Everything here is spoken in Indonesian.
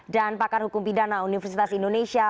dan pakar hukum pidana universitas indonesia